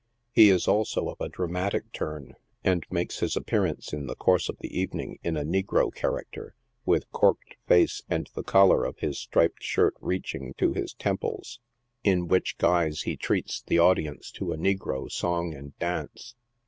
He is also of a dramatic turn, and makes his appearance in the course of the evening in a negro character, with corked face, and the collar of his striped shirt reaching to his temples, in which THE PUGILISTS. 8fj guise he treats the audience to a negro song and dance.